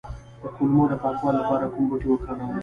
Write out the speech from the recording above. د کولمو د پاکوالي لپاره کوم بوټی وکاروم؟